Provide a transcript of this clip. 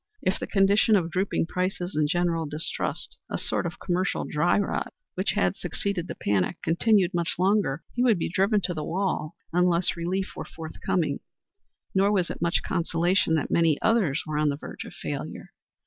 If the condition of drooping prices and general distrust, a sort of commercial dry rot, which had succeeded the panic, continued much longer he would be driven to the wall unless relief were forthcoming. Nor was it much consolation that many others were on the verge of failure.